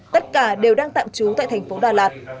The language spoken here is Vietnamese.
tất cả đều đang tạm trú tại thành phố đà lạt